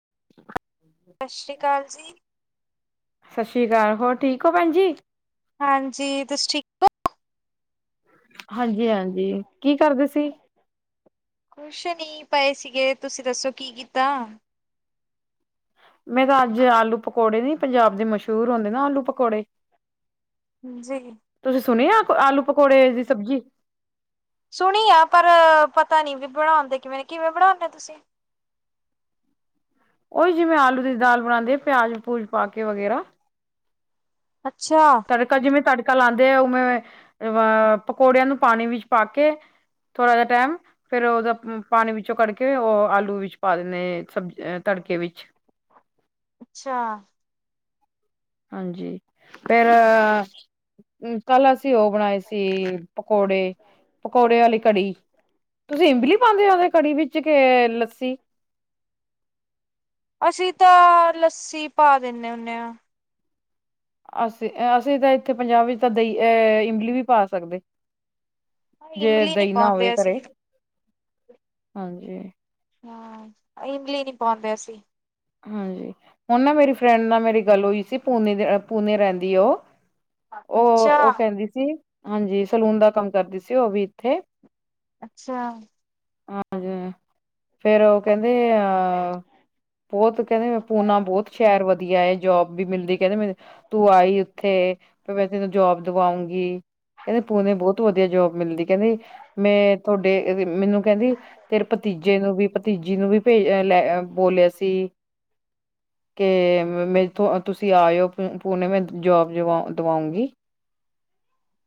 [unintelligible] ਸਤਿ ਸ੍ਰੀ ਅਕਾਲ ਜੀ। ਸਤਿ ਸ਼੍ਰੀ ਅਕਾਲ। ਹੋਰ ਠੀਕ ਹੋ ਭੈਣ ਜੀ। ਹਾਂਜੀ। ਤੁਸੀ ਠੀਕ ਹੋ। ਹਾਂਜੀ, ਹਾਂਜੀ। ਕੀ ਕਰਦੇ ਸੀ। ਕੁਛ ਨੀ ਪਏ ਸੀਗੇ ਤੁਸੀਂ ਦੱਸੋ ਕੀ ਕੀਤਾ ਮੇ ਤਾਂ ਅੱਜ ਆਲੂ ਪਕੌੜੇ ਨੀ ਪੰਜਾਬ ਦੇ ਮਸ਼ਹੂਰ ਹੁੰਦੇ ਨਾ ਆਲੂ ਪਕੌੜੇ ਜੀ। ਤੁਸੀਂ ਸੁਣ ਆ ਆਲੂ ਪਕੌੜੇ ਦੀ ਸਬਜ਼ੀ। ਸੁਣੀ ਆ ਪਰ ਪਤਾ ਨੀ ਵੀ ਬਣਾਉਦੇ ਕਿਵੇਂ ਨੇ ਕਿਵੇਂ ਬਣਾਉਂਦੇ ਤੁਸੀਂ [unintelligible] ਉਓਹੀ ਜਿਵੇਂ ਆਲੂ ਦੀ ਦਾਲ ਬਣਾਉਂਦੇ ਪਿਆਜ ਪੂਜ ਪਾ ਕੇ ਵਗੈਰਾ ਅੱਛਾ। ਤੜਕਾ ਜਿਵੇਂ ਤੜਕਾ ਲਾਂਦੇ ਆਲ ਉਵੇਂ ਅਹ ਪਕੌੜਿਆਂ ਨੂੰ ਪਾਣੀ ਵਿੱਚ ਪਾ ਕੇ ਥੋੜਾ ਜਹਾ ਟਾਈਮ ਫੇਰ ਉਹਦਾ ਪਾਣੀ ਵਿੱਚੋਂ ਕੱਢਕੇ ਉਹ ਆਲੂ ਵਿੱਚ ਪਾ ਦਿੰਦੇ ਸਬਜੀ ਤ ਕਰਕੇ ਵਿੱਚ ਅੱਛਾ। ਹਾਂਜੀ ਫੇਰ ਤੇ ਕੱਲ ਅਸੀਂ ਉਹ ਬਣਾਏ ਸੀ ਪਕੌੜੇ ਪਕੌੜੇ ਵਾਲੀ ਕੜੀ ਤੁਸੀਂ ਇਮਲੀ ਪਾਉਂਦੇ ਹੋ ਉਹਦੇ ਕੜੀ ਵਿੱਚ ਕੇ ਲੱਸੀ ਅਸੀਂ ਤਾਂ ਲੱਸੀ ਪਾ ਦਿੰਦੇ ਹੁੰਦੇ ਹਾਂ ਅਸੀਂ ਅਸੀਂ ਤਾਂ ਇੱਥੇ ਪੰਜਾਬ ਵਿੱਚ ਤਾਂ ਦਈ ਅਹ ਇਮਲੀ ਵੀ ਪਾ ਸਕਦੇ ਜੇ ਇਮਲੀ ਨੀ ਦਈ ਨਾ ਹੋਵੇ ਪਾਉਂਦੇ ਅਸੀਂ, ਘਰੇ ਹਾਜੀ। ਹਾਂ ਇਮਲੀ ਨੀ ਪਾਉਂਦੇ ਸੀਂ ਹਾਂਜੀ ਹੁਣ ਨਾ ਮੇਰੀ ਫਰੈਂਡ ਨਾਲ ਮੇਰੀ ਗੱਲ ਔਈ ਸੀ। ਪੂਨੇ ਦੇ ਪੂਨੇ ਰੇਂਦੀ ਐ ਓ। ਓ ਅੱਛਾ, ਓ ਕੇੈਦੀ ਸੀ। ਹਾਂਜੀ ਸਲੂਨ ਦਾ ਕੰਮ ਕਰਦੀ ਸੀ ਓ ਵੀ ਇੱਥੇ। ਅੱਛਾ ਹਾਂਜੀ ਫੇਰ ਓ ਕੇਂਦੇ ਆਹ ਬੋਤ ਕੇਂਦੇ ਮ ਪੂਨਾ ਬੋਤ ਸ਼ੈਰ ਵਧੀਆ ਏ। ਜੋਬ ਵੀ ਮਿਲਦੀ ਕੇਂਦੇ ਮੈ ਤੇ ਤੂੰ ਆਈ ਉੱਥੇ। ਫੇਰ ਮੈਂ ਤੈਨੂੰ ਜੋਬ ਦਵਾਉਂਗੀ। ਕੇਂਦੇ ਪੂਨੇ ਬੋਤ ਵਧੀਆ ਜੋਬ ਮਿਲਦੀ। ਕੇਂਦੀ ਮੈਂ ਥੋਡੇ ਮੈਨੂੰ ਕਹਿੰਦੀ ਤੇਰੇ ਭਤ ਭਤੀਜੇ ਨੂੰ ਵੀ, ਭਤੀਜੀ ਨੂੰ ਵੀ ਭੇ ਲੈ ਬੋਲਿਆ ਸੀ। [inaudible] ਕੇ ਮੇਥੋਂ ਤੁਸੀਂ ਆਇਓ ਪੂ ਪੂਣੇੇ ਮੈਂ ਜੋਬ ਜਵਾ ਦਵਾਉਂਗੀ। [inaudible]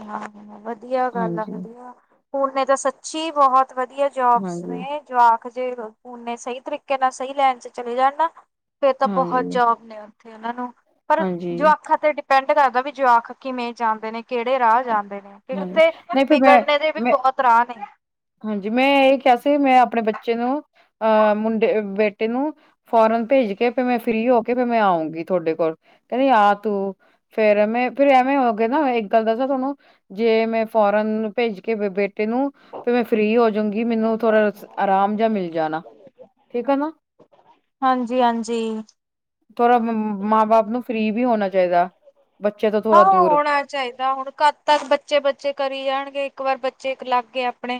ਅੱਛਾ ਵਧੀਆ ਗੱਲ ਆ ਹਾਂਜੀ ਵਧੀਆ। ਪੂਣੇ ਤੇ ਸੱਚੀ ਬਹੁਤ ਵਧੀਆ ਜੋਬਸ ਹਾਂਜੀ ਨੇ ਜਵਾਕ ਜੇ ਪੂਨੇ ਸਈ ਤਰੀਕੇ ਨਾਲ ਸਈ ਲੈਣ ਚ ਚਲੇ ਜਾਣ ਣਾ। ਫੇਰ ਤਾਂ ਬਹੁਤ ਹਾਂਜੀ ਜੋਬ ਨੇ ਓਥੇ ਉਨਾਂ ਨੂੰ ਪਰ ਹਾਂਜੀ ਜੋਆਖਾਂ ਤੇ ਡੀ ਪੈਂਡ ਕਰਦਾ ਵੀ ਜਵਾਕ ਕਿਵੇਂ ਜਾਂਦੇ ਨੇ ਕੇੜੇ ਰਾਹ ਜਾਂਦੇ ਨੇ। ਤੇ ਹਾਂਜੀ ਓਥੇ ਨਹੀਂ ਫਿਰ ਮੈਂ ਵਿਗੜਨੇ ਦੇ ਵੀ ਮੈਂ ਬਹੁਤ ਰਾਅ ਨੇ। ਹਾਂਜੀ ਮੈਂ ਏ ਕਿਹਾ ਸੀ ਮੈਂ ਆਪਣੇ ਬੱਚੇ ਨੂ ਅਹ ਮੁੰਡੇ ਬੇਟੇ ਨੂੰ ਫੋਰਨ ਭੇਜ ਕੇ ਤੇ ਮੈਂ ਫ੍ਰੀ ਹੋ ਕੇ ਮੈਂ ਆਊਂਗੀ ਤੁਆਡੇ ਕੋਲ। ਕੇਂਦੀ ਆ ਤੂੰ। ਫੇਰ ਮੈਂ ਫੇਰ ਐਵੇਂ ਹੋਗੇ ਨਾ ਇੱਕ ਗੱਲ ਦੱਸਾਂ ਤੁਆਨੂੰ ਜੇ ਮੈਂ ਫੋਨ ਕਰਨ ਨੂੰ ਭੇਜ ਕੇ ਬੇਟੇ ਨੂੰ ਤੇ ਮੈਂ ਫ੍ਰੀ ਹੋ ਜਊਂਗੀ ਮੈਨੂੰ ਥੋਰਾ ਆਰਾਮ ਜਿਆ ਮਿਲ ਜਾਣਾ। ਠੀਕ ਆ ਨਾ। ਹਾਂਜੀ [unintelligible] ਥੋਰਾ ਮਾਂ ਬਾਪ ਨੂੰ ਫ੍ਰੀ ਵੀ ਹੋਣਾ ਚਾਈਦਾ। ਹਾਂ ਹੋਣਾ ਚਾਈਦਾ। ਹੁਣ ਕਦ ਤੱਕ ਬੱਚੇ-ਬੱਚੇ ਕਰੀ ਜਾਣਗੇ। ਇੱਕ ਵਾਰ ਬੱਚੇਕ ਲਗ ਗੇ ਆਪਣੇ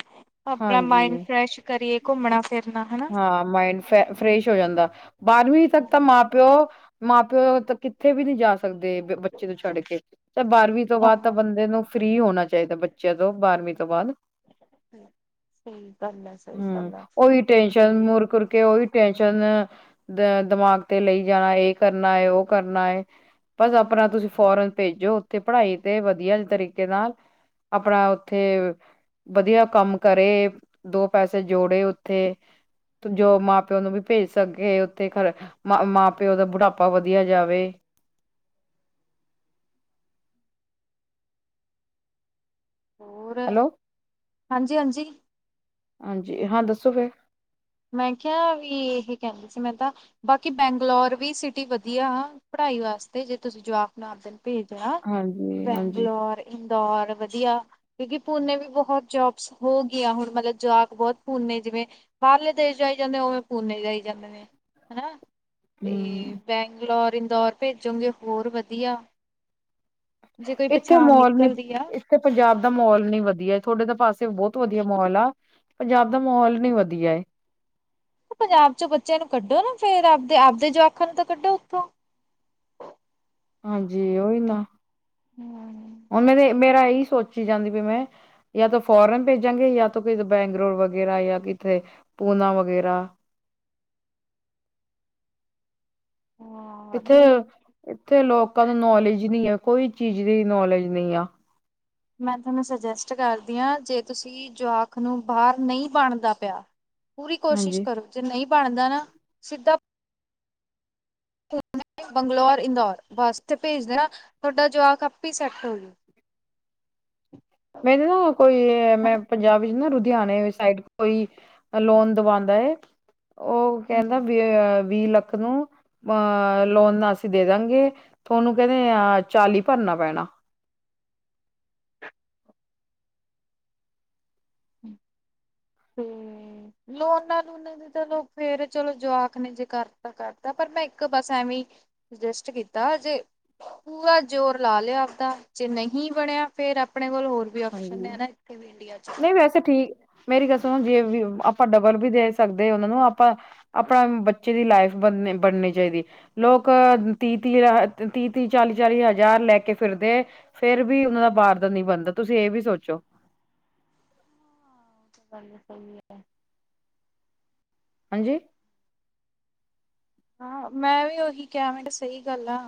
ਆਪਣਾ ਹਾਂਜੀ ਮਾਇੰਡ ਫਰੈਸ਼ ਕਰੀਏ ਘੁੰਮਣਾ- ਫਿਰਨਾ ਹਨਾ। ਹਾਂ ਮਾਇੰਡ ਫ ਫਰੈਸ਼ ਹੋ ਜਾਂਦਾ ਬਾਰਵੀਂ ਤੱਕ ਤਾਂ ਮਾਂ ਪਿਓ -ਮਾਂ ਪ- ਉਦ ਤੱਕ ਕਿੱਥੇ ਵੀ ਨੀ ਜਾ ਸਕਦੇ ਸਕਦੇ ਬੱਚੇ ਨੂੰ ਛੱਡ ਕੇ ਤੇ ਬਾਰਵੀਂ ਤੋਂ ਬਾਅਦ ਤਾਂ ਹਾਂ ਬੰਦੇ ਨੂੰ ਫ੍ਰੀ ਹੋਣਾ ਚਾਈਦਾ ਬਚ ਜਦੋਂ ਬਾਰਵੀਂ ਤੋਂ ਬਾਦ। ਸਈ ਗੱਲ ਐ। ਸਈ ਗੱਲ ਐ। ਚਲ ਮੂਰ ਕਰਕੇ ਓਈ ਪੇ- ਟੈਸ਼ਨ ਦਿਮਾਗ ਤੇ ਲਈ ਜਾਣਾ ਏ ਕਰਨਾ, ਏ ਓ ਕਰਨਾ ਏ। ਬਸ ਆਪਣਾ ਤੁਸੀਂ ਫੋਰਨ ਭੇਜੋ, ਉੱਥੇ ਪੜ੍ਹਾਈ ਤੇ ਵਧੀਆ ਜੇ ਤਰੀਕੇ ਨਾਲ- ਆਪਣਾ ਓਥੇ ਵਧੀਆ ਕੰਮ ਕਰੇ ਦੋ ਪੈਸੇ ਜੋੜੇ ਓ- ਉਥੇ ਜੋ ਮਾਂ ਪਿਓ ਨੂੰ ਵੀ ਭੇਜ ਸਕੇ ਓਥੇ ਖਰ ਮਾਂ ਪਿਓ ਦਾ ਬੁਢਾਪਾ ਵਧੀਆ ਜਾਵੇ। ਹੋਰ ਹੈਲੋ ਹਾਂਜੀ ਹਾਂਜੀ ਹਾਂਜੀ ਹਾਂ ਦੱਸੋ ਫੇਰ। ਮੈਂ ਕਿਆ ਵੀ ਇਹ ਕੇਂਦੀ ਸੀ ਮੈਂ ਤਾਂ, ਬਾਕੀ ਬੈਂਗਲੌਰ ਵੀ ਸਿਟੀ ਵਧੀਆ ਪੜ ਪੜਾਈ ਵਾਸਤੇ ਜੇ ਤੁਸੀਂ ਜਵਾਕ ਨੂੰ ਆਵਦੇ ਨੂੰ ਭੇਜਣਾ। ਹਾਂਜੀ ਹਾਂਜੀ ਬੈਂਗਲੋੌਰ- ਹੋਰ ਵਧੀਆ। ਕਿਉਂਕਿ ਪੂਨੇ ਵੀ ਬਹੁਤ ਜੋਬਸ ਹੋ ਗੀਆਂ ਹੁਣ ਮਲਬ ਜਵਾਕ ਬਹੁਤ ਪੂਨੇ ਚ ਵੇ ਬਾਰਲੇ ਦੇਸ਼ ਜਾਈ ਜਾਂਦੇ ਨੇ ਉਵੇਂ ਪੂਨੇ ਜਾਈ ਜਾਂਦੇ ਨੇ ਹਨਾ ਹਮ ਤੇ ਬੈਂਗਲੋਰ ਇੰਦੌਰ ਭੇਜੋਗੇ ਹੋਰ ਵਧੀਆ। ਜੇ ਕੋਈ ਏਥੇ ਪਛਾਣ ਮਾਹੌਲ ਨੀ ਨਿਕਲਦੀ ਆ ਏਥੇ ਪੰਜਾਬ ਦਾ ਮੌਲ ਨੀ ਵਧੀਆ ਥੋਡੇ ਤਾਂ ਪਾਸੇ ਬਹੁਤ- ਵਧੀਆ ਮੌਲ ਆ ਪੰਜਾਬ ਦਾ ਮਾਹੌਲ ਨੀ ਵਧੀਆ ਏ। ਪੰਜਾਬ ਚ ਬੱਚਿਆਂ ਨੂੰ ਕੱਢੋ ਨਾ ਫੇਰ ਆਵਦੇ ਆਵਦੇ ਜਵਾਕਾਂ ਨੂੰ ਤਾਂ ਕੱਢੋ ਉੱਥੋਂ। ਹਾਂਜੀ ਉਹੀ ਨਾ ਹੂੰ। ਹੁਣ ਮੇ ਮੇਰਾ ਇਹੀ ਸੋਚੀ ਜਾਂਦੀ ਵੀ ਮੈਂ ਯਾ ਤਾਂ ਫੋਰਨ ਭੇਜਾਂਗੇ ਜਾਂ ਤ ਬੈਂਗਲੋਰ ਵਗੈਰਾ ਯਾ ਕਿਥੇ ਪੂਨਾ ਵਗੈਰਾ ਹਾਂ ਇੱਥੇ ਨਹੀਂ -ਇੱਥੇ ਲੋਕ ਨੂੰ ਨੌਲੇਜ ਨਹੀਂ ਆ ਕੋਈ ਚੀਜ਼ ਦੀ ਨੌਲੇਜ ਨਹੀਂ ਆ ਮੈਂ ਤੁਹਾਨੂੰ ਸੁਜੈਸਟ ਕਰਦੀ ਹਾਂ ਜੇ ਤੁਸੀਂ ਜੋਵਾਕ ਨੂੰ ਬਾਹਰ ਨਹੀਂ ਬਣਦਾ ਪਿਆ ਪੂਰੀ ਕੋਸ਼ਿਸ਼ ਹਾਂਜੀ ਕਰੋ ਜੇ ਨਹੀਂ ਬਣਦਾ ਨਾ ਸਿੱਧਾ ਬੰਗਲੌਰ ਇੰਦੌਰ ਵਾਸਤੇ ਭੇਜਦੇਨਾ ਤੁਹਾਡਾ ਜਵਾਕ ਆਪੇ ਸੈੱਟਲ ਹੋ ਜੂ ਮੇਰੇ ਨਾ ਕੋਈ ਮੈਂ ਹਨਾ। ਪੰਜਾਬ ਵਿੱਚ ਨਾ ਰੁ ਲੁਧਿਆਣਾ ਸਾਈਡ ਕੋਈ ਲੋਨ ਦਵਾਉਦਾ ਹੈ ਉਹ ਕਹਿੰਦਾ ਹਾਂਜੀ। ਵੀ ਵੀਹ ਲੱਖ ਨੂੰ ਅਹ ਲੋਨ ਅਸੀਂ ਦੇ ਦਵਾਂਗੇ ਤੁਹਾਨੂੰ ਕਹਿੰਦੇ ਆ ਚਾਲੀ ਭਰਨਾ ਪੈਣਾ ਤੇਐ ਲੋਨਾ ਲੂਨਾਂ ਦੀ ਤਾਂ ਲੋਕ ਫੇਰ ਚਲੋ ਜਵਾਕ ਨੇ ਜੇ ਕਰਤਾ -ਕਰਤਾ ਪਰ ਮੈਂ ਇੱਕ ਬਸ ਐਵੇਂ ਕਿ ਸੁਜੈਸਟ ਕੀਤਾ ਜੇ ਪੂਰਾ ਜ਼ੋਰ ਲਾ ਲਿਆ ਆਪਦਾ ਜੇ ਨਹੀਂ ਬਣਿਆ ਫੇਿਰ ਆਪਣੇ ਕੋਲ ਹੋਰ ਵੀ ਆਪਸ਼ਨ ਨੇ ਹਾਂਜੀ ਨਾ ਇੱਥੇ ਵੀ ਇੰਡੀਆ ਵਿਚੱ ਨਹੀਂ ਵੈਸੇ ਠੀਕ ਮੇਰੀ ਗਲ ਸੁਣੋ ਜੇ ਵੀ ਆਪਾਂ ਡਬਲ ਵੀ ਦੇ ਸਕਦੇ ਉਹਨਾਂ ਨੂੰ ਆਪਾਂ ਆਪਣਾ ਬੱਚੇ ਦੀ ਲਾਈਫ ਬਣਨੀ ਚਾਹੀਦੀ ਲੋਕ ਤੀਹ -ਤੀਹ -ਤੀਹ- ਤੀਹ ਚਾਲੀ ਚਾਲੀ ਹਜ਼ਾਰ ਲੈ ਕੇ ਫਿਰਦੇ ਹੈ ਫੇਿਰ ਵੀ ਉਹਨਾਂ ਦਾ ਬਾਹਰ ਦਾ ਨੀ ਬਣਦਾ ਤੁਸੀਂ ਇਹ ਵੀ ਸੋਚੋ ਗੱਲ ਸਹੀ ਹੈ ਹਾਂਜੀ ਹਾਂ ਮੈਂ ਵੀ ਉਹੀ ਕਿਹਾ ਮੈਂ ਕੀ ਸਹੀ ਗੱਲ ਆ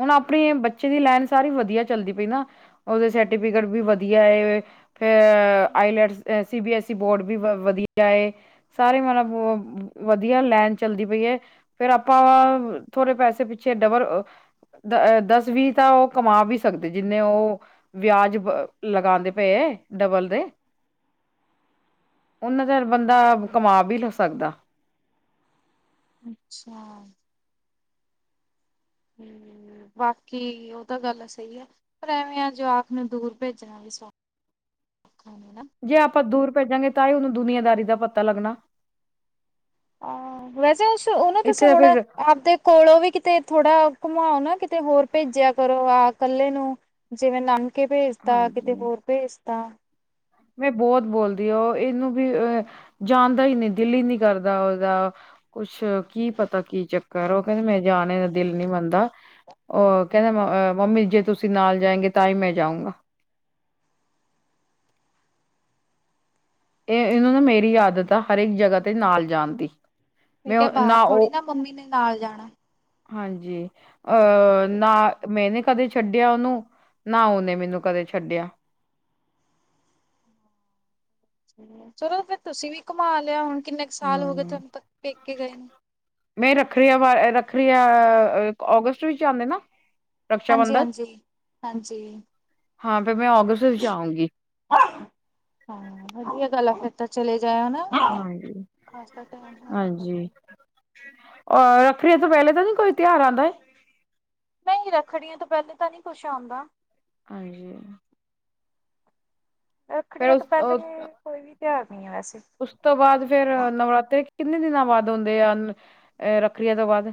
ਹੁਣ ਆਪਣੇ ਬੱਚੇ ਦੀ ਲਾਈਨ ਸਾਰੀ ਵਧੀਆ ਚੱਲਦੀ ਪਈ ਨਾ ਉਹਦੇ ਸਰਟੀਫਿਕੇਟ ਵੀ ਵਧੀਆ ਫੇ IELTS test C B S E board ਵੀ ਵ ਵਧੀਆ ਸਾਰੇ ਮਤਲਬ ਵਧੀਆ ਲੈਨ ਚੱਲਦੀ ਪਈ ਹੈ। ਫ਼ਿਰ ਆਪਾਂ ਥੋੜ੍ਹੇ ਪੈਸੇ ਪਿੱਛੇ ਡਬਲ ਦਸ ਵੀਹ ਤਾਂ ਉਹ ਕਮਾ ਵੀ ਸਕਦੇ ਜਿੰਨੇ ਉਹ ਵਿਆਜ ਲਗਾਉਂਦੇ ਪਏ ਹੈ। ਡਬਲ ਦੇ [inaudible] ਉਹਨਾਂ ਚਿਰ ਬੰਦਾ ਕਮਾ ਵੀ ਲੱਗ ਸਕਦਾ। ਅੱਛਾ ਹਮ [inaudible] ਬਾਕੀ ਉਹ ਤਾਂ ਗੱਲ ਸਹੀ ਹੈ ਪਰ ਐਵੇਂ ਆ ਜਵਾਕ ਨੂੰ ਦੂਰ ਭੇਜਣਾ ਵੀ ਸੌਖਾ [inaudible] ਜੇ ਆਪਾਂ ਦੂਰ ਭੇਜਾਂਗੇ ਤਾਂ ਹੀ ਉਹਨੂੰ ਦੁਨੀਆਦਾਰੀ ਦਾ ਪਤਾ ਲੱਗਣਾ। ਹਾਂ ਵੈਸੇ ਉਹ ਨਾ ਤੁਸੀਂ ਇੱਥੇ ਹੁਣ ਫਿਰ ਆਪਦੇ ਕੋਲੋਂ ਵੀ ਕਿਤੇ ਥੋੜਾ। ਆਓ ਨਾ ਕਿਤੇ ਹੋਰ ਭੇਜਿਆ ਕਰੋ ਆਹ ਇਕੱਲੇ ਨੂੰ ਜਿਵੇਂ ਨਾਨ ਕੇ ਭੇਜਤਾ ਕਿਤੇ ਹਾਂਜੀ ਹੋਰ ਭੇਜ ਤ ਮੈਂ ਬਹੁਤ ਬੋਲਦੀ ਹ ਉਹ ਇਹਨੂੰ ਵੀ ਜਾਣਦਾ ਹੀ ਨਹੀਂ ਦਿਲ ਹੀ ਨਹੀਂ ਕਰਦਾ ਦਾ ਕੁਛ ਕੀ ਪਤਾ ਕੀ ਚੱਕਰ ਉਹ ਕਹਿੰਦੇ ਮੈਂ ਜਾਣ ਦਾ ਦਿਲ ਨਹੀਂ ਮੰਨਦਾ। ਉਹ ਕਹਿੰਦੇ ਮੰਮੀ ਜੇ ਤੁਸੀਂ ਨਾਲ ਜਾਏਗੇ ਤਾਂ ਹੀ ਮੈਂ ਜਾਊਗਾ। [inaudible] ਇਹ ਇਹਨਾਂ ਨੂੰ ਮੇਰੀ ਆਦਤ ਆ ਹਰੇਕ ਜਗ੍ਹਾ ਤੇ ਨਾਲ ਜਾਣ ਦੀ। ਮੈਂ ਠੀਕ ਹੈ ਉਹ- ਬਾਹਰ ਥੋੜੀ ਉਹ ਨਾ ਮੰਮੀ ਨੇ ਨਾਲ ਜਾਣਾ। ਹਾਂਜੀ ਅਹ ਨਾ ਮੈਂਨੇ [inaudible] ਕਦੇ ਛੱਡਿਆ ਉਹਨੂੰ ਨਾ ਉਹਨੇ ਮੈਨੂੰ ਕਦੇ ਛੱਡਿਆ। ਚਲੋ ਫਿਰ ਤੁਸੀਂ ਵੀ ਘੁਮਾ ਲਿਆ ਹੁਣ। ਕਿੰਨੇ ਕੁ ਸਾਲ ਹੋ ਗਏ ਹਮ ਤੁਹਾਨੂੰ ਪ ਪੇਕੇ ਗਏ ਨੂੰ? ਮੈਂ ਰੱਖ ਰ ਹ ਵ [inaudible] ਕ੍ਰਿਆ ਉਹ ਅਗਸਤ ਵਿੱਚ ਆਉਂਦੇ ਨਾ। ਰਕਸ਼ਾ ਹਾਂਜੀ ਬੰਧਨ -ਹਾਂਜੀ -ਹਾਂਜੀ ਹਾਂ ਫਿਰ ਮੈਂ ਅਗਸਤ ਵਿੱਚ ਆਊਂਗੀ। ਹਾਂ ਵਧੀਆ ਗੱਲ ਆ ਫਿਰ ਤਾਂ ਚਲੇ ਜਾਇਓ ਨਾ। ਹਾਂਜੀ ਖਾਸਾ ਟਾਈਮ ਹੋਇਆ ਪਿਆ ਹਾਂਜੀ। ਸੀ। ਅਹ ਰੱਖੜੀਆਂ ਤੋਂ ਪਹਿਲੇ ਤਾਂ ਨਹੀਂ ਕੋਈ ਤਿਉਹਾਰ ਆਉਂਦਾ ਹੈ। ਨਹੀਂ ਰੱਖੜੀਆਂ ਤੇ ਪਹਿਲੇ ਤਾਂ ਨਹੀਂ ਕੁਛ ਆਉਂਦਾ ਹੈ। ਹਾਂਜੀ। ਫੇਰ ਰੱਖੜੀਆਂ ਤੋਂ ਉਸ ਪਹਿਲੇ ਕੋਈ ਵੀ ਨਹੀਂ। ਤਿਉਹਾਰ ਹੈ ਵੈਸੇ। ਉਸ ਤੋਂ ਬਾਅਦ ਫੇਰ ਨਵਰਾਤਰੀ। ਕਿੰਨੇ ਦਿਨਾਂ ਬਾਅਦ ਆਉਦੇ ਆ ਅ ਰੱਖੜੀਆਂ ਤੋਂ ਬਾਅਦ।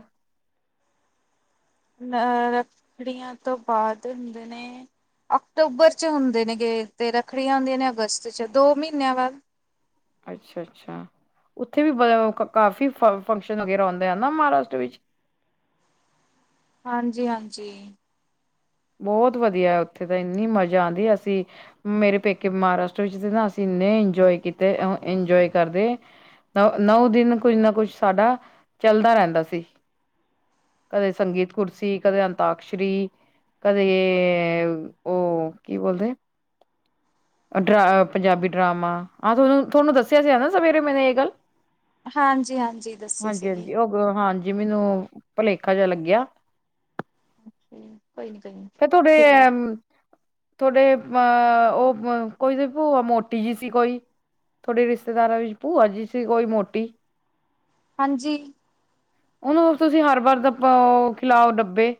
ਅਹ ਰੱਖੜੀਆਂ ਤੋਂ ਬਾਅਦ ਹੁੰਦੇ ਨੇ? ਅਕਤੂਬਰ ਚ ਹੁੰਦੇ ਨੇ ਗਏ। ਤੇ ਰੱਖੜੀਆਂ ਹੁੰਦੀਆਂ ਨੇ ਅਗਸਤ 'ਚ ਦੋ ਮਹੀਨਿਆਂ ਬਾਅਦ। ਅੱਛਾ ਅੱਛਾ। ਉੱਥੇ ਵੀ ਕਾਫੀ ਫੰਕਸ਼ਨ ਵਗੈਰਾ ਹੁੰਦੇ ਆ ਨਾ ਮਹਾਰਾਸ਼ਟਰ ਵਿੱਚ। ਹਾਂਜੀ ਹਾਂਜੀ। ਬਹੁਤ ਵਧੀਆ ਉੱਥੇ ਤਾਂ ਇੰਨੀ ਮਜ਼ਾ ਆਉਂਦੀ ਹੈ। ਅਸੀਂ ਮੇਰੇ ਪੇਕੇ ਮਹਾਰਾਸ਼ਟਰ ਵਿੱਚ ਤੇ ਨਾ ਅਸੀਂ। ਇੰਨੇ ਇੰਜੋਏ ਕੀਤੇ ਹੁਣ ਇੰਜੋਏ ਕਰ ਰਹੇ ਹਾਂ। ਨ ਨੌ ਦਿਨ ਕੁੱਝ ਨਾ ਕੁਝ ਸਾਡਾ ਚੱਲਦਾ ਰਹਿੰਦਾ ਸੀ? ਕਦੇ ਸੰਗੀਤ ਕੁਰਸੀ, ਕਦੇ ਅੰਤਾਕਸ਼ਰੀ। ਕਦੇ ਉਹ ਕੀ ਬੋਲਦੇ। ਅਹ ਡਰਾ ਪੰਜਾਬੀ ਡਰਾਮਾ ਆਹ ਤੁਹਾਨੂੰ ਤੁਹਾਨੂੰ ਦੱਸਿਆ ਸੀ। ਨਾ ਸਵੇਰੇ ਮੈ ਇਹ ਗੱਲ। ਹਾਂਜੀ ਹਾਂਜੀ ਦੱਸੀ ਹਾਂਜੀ ਸੀਗੀ। ਹਾਂਜੀ ਉਹ ਹਾਂਜੀ। ਜੀ ਮੈਨੂੰ ਭੁਲੇਖਾ ਜਿਹਾ ਲੱਗਿਆ ਹੈ। ਕੋਈ ਨੀ ਕੋਈ ਨੀ ਫੇਰ ਤੁਹਾਡੇ ਤੇ ਤੁਹਾਡੇ। ਹਾ ਉਹ ਕੋਈ ਭੂਆ ਮੋਟੀ ਜਿਹੀ ਸੀ ਕੋਈ। ਥੋਡੇ ਰਿਸ਼ਤੇਦਾਰਾਂ ਵਿੱਚ ਭੂਆ ਜੀ ਸੀ ਕੋਈ ਮੋਟੀ। ਹਾਂਜੀ। ਉਹਨੂੰ ਤੁਸੀਂ ਹਰ ਵਾਰ ਦਾ ਪਾਓ ਖਿਲਾਓ ਡੱਬੇ।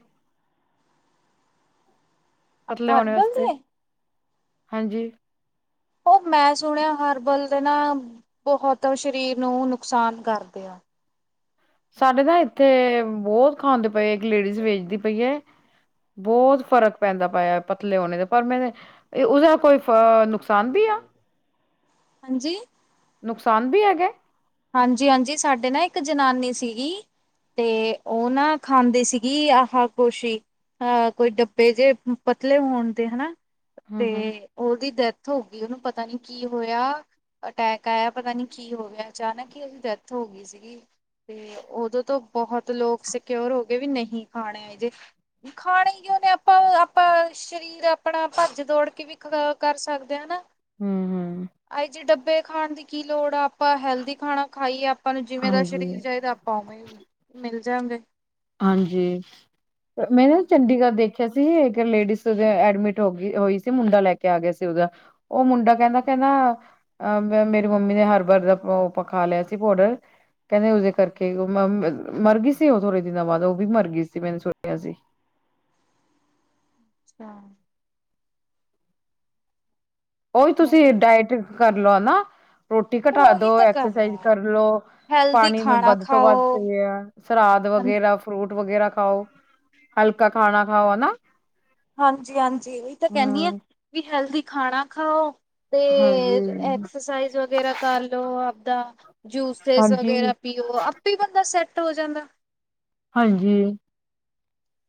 ਪਤਲੇ ਹੋਣੇ ਖਾਂਦਾ ਨੀ ਵਾਸਤੇ ਜੇ। ਹਾਂਜੀ। ਉਹ ਮੈਂ ਸੁਣਿਆ ਹਰਬਲ ਦੇ ਨਾਲ ਬਹੁਤ ਸਰੀਰ ਨੂੰ ਨੁਕਸਾਨ ਕਰਦੇ ਆ। ਸਾਡੇ ਤਾਂ ਇੱਥੇ ਬਹੁਤ ਖਾਂਦੇ ਪਏ ਹੈ, ਇੱਕ ਲੇਡੀਜ਼ ਵੇਚਦੀ ਪਈ ਹੈ। ਬਹੁਤ ਫ਼ਰਕ ਪੈਂਦਾ ਪਾਇਆ ਪਤਲੇ ਹੋਣੇ ਦਾ ਪਰ ਮੈਂ ਉਹਦਾ ਕੋਈ ਅ ਨੁਕਸਾਨ ਵੀ ਆ। ਹਾਂਜੀ। ਨੁਕਸਾਨ ਵੀ ਹੈਗਾ ਹੈ। ਹਾਂਜੀ ਹਾਂਜੀ ਸਾਡੇ ਨਾ ਇੱਕ ਜਨਾਨੀ ਸੀਗੀ। ਤੇ ਉਹ ਨਾ ਖਾਂਦੀ ਸੀਗੀ ਆਹ ਕੁਛ ਹੀ। ਹਾ ਕੋਈ ਡੱਬੇ ਜਿਹੇ ਪਤਲੇ ਹੋਣ ਦੇ ਹਨਾ ਹੂੰ ਤੇ ਹੂੰ ਉਹਦੀ ਡੈਥ ਹੋ ਗਈ। ਵੀ ਉਹਨੂੰ ਪਤਾ ਨੀ ਕੀ ਹੋਇਆ। ਅਟੈਕ ਆਇਆ, ਪਤਾ ਨੀ ਕੀ ਹੋ ਗਿਆ। ਅਚਾਨਕ ਹੀ ਉਹਦੀ ਡੈਥ ਹੋ ਗਈ ਸੀਗੀ। ਤੇ ਉਦੋਂ ਤੋਂ ਬਹੁਤ ਲੋਕ ਸਕਿਓਰ ਹੋ ਗਏ ਵੀ ਨਹੀਂ ਖਾਣੇ ਇਹ ਜੇ ਖਾਣੇ ਹੀ ਕਿਉਂ। ਉਹਨਾਂ ਨੇ ਆਪਾਂ ਨੂੰ ਆਪਾਂ ਸਰੀਰ ਆਪਣਾ ਭੱਜ ਦੌੜ ਕੇ ਵੀ ਖਰਾ ਕਰ ਸਕਦੇ ਹਾਂ ਨਾ। ਹੂੰ ਹੂੰ ਆਏ ਜੀ ਡੱਬੇ ਖਾਣ ਦੀ ਕੀ ਲੋੜ ਆ ਆਪਾਂ। ਹੈਲਥੀ ਖਾਣਾ ਖਾਈਏ। ਆਪਾਂ ਨੂੰ ਜਿਵੇਂ ਦਾ ਹਾਂਜੀ ਸਰੀਰ ਚਾਹੀਦਾ। ਆਪਾਂ ਉਵੇਂ ਵੀ ਮਿਲ ਜਾ ਗੇ। ਹਾਂਜੀ ਮੈਂ ਨਾ ਚੰਡੀਗੜ੍ਹ ਅੱਛਾ ਦੇਖਿਆ ਸੀ ਇਹ ਇੱਕ ਲੇਡੀਜ਼ ਐਡਮਿਟ ਹੋ ਗਈ ਸੀ ਹੋਈ ਸੀ ਮੁੰਡਾ ਲੈਕੇ ਆ ਗਿਆ ਸੀ ਉਹਦਾ ਉਹ ਮੁੰਡਾ ਕਹਿੰਦਾ ਕਹਿੰਦਾ। ਅਹ ਮੇਰੀ ਮੰਮੀ ਨੇ ਹਰਬਰ ਦਾ ਉਹ ਖਾਂ ਲਿਆ ਸੀ ਪਾਊਡਰ। ਕਹਿੰਦੇ ਉਸਦੇ ਕਰਕੇ ਉਹ ਮਰ ਗਈ ਸੀ ਉਹ ਥੋੜੇ। ਦਿਨਾਂ ਬਾਅਦ ਉਹ ਵੀ ਮਰ ਗਈ ਸੀ ਮੈਨੂੰ ਸੁਣਿਆ ਸੀ ਤਾਂ ਉਹੀ ਤੁਸੀਂ ਨਹੀਂ ਡਾਇਟਿੰਗ ਕਰਲਓ ਨਾ। ਰੋਟੀ ਫਿਰ ਘਟਾ ਉਹੀ ਦੋ, ਤਾਂ ਗੱਲ ਐਕਸਰਸਾਈਜ਼ ਆ। ਕਰਲੋ ਹੈਲਦੀ ਪਾਣੀ ਖਾਣਾ ਵੱਧ ਤੋਂ ਖਾਓ ਵੱਧ ਪੀਆ ਸ਼ਲਾਦ ਵਗੈਰਾ ਫਰੂਟ ਵਗੈਰਾ ਖਾਓ ਹਲਕਾ ਖਾਣਾ ਖਾਓ ਹਨਾ ਹਾਂਜੀ, ਹਾਂਜੀ ਉਹੀ ਤਾਂ ਕਹਿੰਦੀ ਆ ਹਮ ਵੀ ਹੈਲਦੀ ਖਾਣਾ ਖਾਓ ਤੇ ਹਾਂਜੀ ਐਕਸਰਸਾਈਜ਼ ਵਗੈਰਾ ਕਰਲੋ ਆਪਦਾ ਜੂਸੀਜ਼ ਹਾਂਜੀ ਵਗੈਰਾ ਪੀ ਪਿਓ ਆਪੇ ਬੰਦਾ ਸੈੱਟ ਹੋ ਜਾਂਦਾ ਹਾਂਜੀ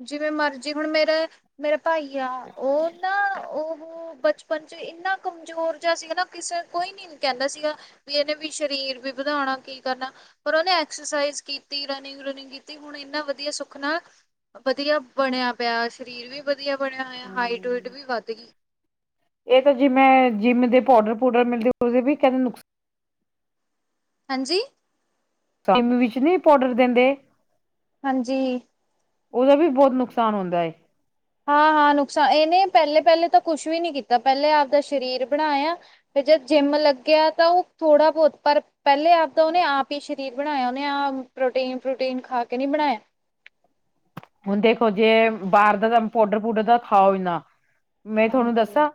ਜਿਵੇਂ ਮਰਜੀ਼ ਹੁਣ ਮੇਰਾ ਮੇਰਾ ਭਾਈ ਆ ਉਹ ਨਾ ਉਹ ਬਚਪਨ ਚ ਇੰਨਾ ਕਮਜ਼ੋਰ ਜਿਹਾ ਸੀਗਾ ਨਾ ਕਿਸੇ ਕੋਈ ਨੀ ਕਹਿੰਦਾ ਸੀਗਾ ਵੀ ਇਹਨੇ ਵੀ ਸਰੀਰ ਵੀ ਵਧਾਉ ਕੀ ਕਰਨਾ ਪਰ ਉਹਨੇ ਐਕਸਰਸਾਈਜ਼ ਕੀਤੀ ਰਨਿੰਗ ਰੂਨਿੰਗ ਕੀਤੀ ਹੁਣ ਇੰਨਾ ਵਧੀਆ ਸੁੱਖ ਨਾਲ ਵਧੀਆ ਬਣਿਆ ਪਿਆ ਸਰੀਰ ਵੀ ਵਧੀਆ ਬਣਿਆ ਹੋਇਆ ਹਾਈਟ ਵੇਟ ਵੀ ਵੱਧ ਗਈ ਇਹ ਤਾਂ ਜਿਵੇਂ ਜਿੰਮ ਦੇ ਪਾਊਡਰ ਪੂਡਰ ਮਿਲਦੇ ਉਹਦੇ ਵੀ ਕਹਿੰਦੇ ਨੁਕਸ ਹਾਂਜੀ ਜਿਮ ਵਿੱਚ ਨਹੀਂ ਪਾੋਡਰ ਦਿੰਦੇ ਹਾਂਜੀ ਉਹਦਾ ਵੀ ਬੋਤ ਨੁਕਸਾਨ ਹੁੰਦਾ ਹੈ ਹਾਂ ਹਾਂ ਨੁਕਸਾਨ ਇਹਨੇ ਪਹਿਲੇ ਪਹਿਲੇ ਤਾਂ ਕੁਛ ਵੀ ਨੀ ਕੀਤਾ ਪਹਿਲੇ ਆਪਦੇ ਸਰੀਰ ਬਣਾਇਆ ਜੇ ਜਿੰਮ ਲੱਗਿਆ ਤਾਂ ਉਹ ਥੋੜਾ ਬੋਤ ਪਰ ਪਹਿਲੇ ਆਪਦਾ ਉਹਨੇ ਆਪ ਹੀ ਸਰੀਰ ਬਣਾਇਆ ਉਹਨੇ ਆਪ ਪ੍ਰੋਟੀਨ ਪ੍ਰੋਟੀਨ ਖਾ ਕੇ ਨੀ ਬਣਾਇਆ ਹੁਣ ਦੇਖੋ ਜੇ ਬਾਹਰ ਦਾ ਤਾਂ ਪੋਡਰ ਪੂਡਰ ਤਾ ਖਾਓ ਇ ਨਾ ਮੈਂ ਤੁਹਾਨੂੰ ਹਾਂਜੀ ਦੱਸਾਂ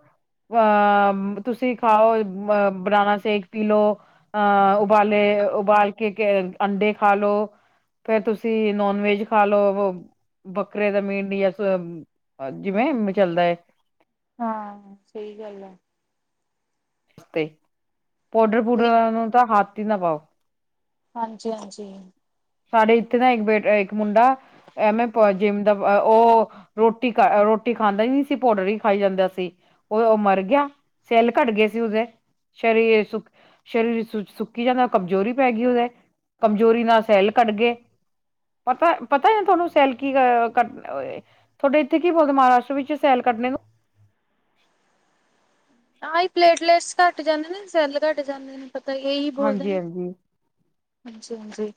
ਅ ਤੁਸੀਂ ਖਾਓ ਅ ਬਣਾਣਾ ਸੇ਼ਕ ਪੀ ਲਓ ਅ ਉਬਾਲੇ ਓਬਾਲ ਕੇ ਅੰਡੇ ਖਾ ਲੋ ਫੇਰ ਤੁਸੀਂ ਨੋਨ ਵੈਜ ਖਾ ਲੋ ਬੱਕਰੇ ਦਾ ਮੀਟ ਯਾ ਸੋਇਆ ਜਿਵੇਂ ਚਲਦਾ ਹੈ ਹਾਂ ਸਹੀ ਗੱਲ ਆ ਪੋਡਰ ਪੂਡਰਾਂ ਨੂੰ ਤਾਂ ਹੱਥ ਹੀ ਨਾ ਪਾਓ ਹਾਂਜੀ, ਹਾਂਜੀ ਸਾਡੇ ਇੱਥੇ ਦਾ ਇੱਕ ਬੇਟ ਇੱਕ ਮੁੰਡਾ ਐਵੇਂ ਜਿਮ ਦਾ ਉਹ ਰੋਟੀ ਰੋਟੀ ਖਾਂਦਾ ਨਹੀਂ ਸੀ ਪੋਡਰ ਹੀ ਖਾਈ ਜਾਂਦਾ ਸੀ ਓਹ, ਓਹ ਮਰ ਗਿਆ ਸੈੱਲ ਘੱਟ ਗਏ ਸੀ ਉਦੇ ਸਰੀਰ ਸੁੱਕ ਸਰੀਰ ਸੁੱਕੀ ਜਾਂਦਾ ਕਮਜ਼ੋਰੀ ਪੈ ਗਈ ਉਹਦੇ ਕਮਜ਼ੋਰੀ ਨਾਲ ਸੈਲ [unintelligible] ਪਤਾ ਪਤਾ ਹੈ ਤੁਹਾਨੂੰ ਸੈਲ ਕੀ ਕੱ ਤੁਹਾਡੇ ਇੱਥੇ ਕੀ ਬੋਲਦੇ ਮਹਾਰਾਸ਼ਟਰ ਵਿੱਚ ਸੈਲ [inaudible] [unintelligible] ਕਰਨੇ ਨੂੰ [inaudible] ਆ ਹੀ ਪਲੇਟਲੇਸ ਘੱਟ ਜਾਂਦੇ ਨੇ ਸੈੱਲ ਘੱਟ ਜਾਂਦੇ ਨੇ ਪਤਾ ਇਹੀ ਬੋਲਦੇ ਹਾਂਜੀ ਨੇ ਹਾਂਜੀ ਹਾਂਜੀ, ਹਾਂਜੀ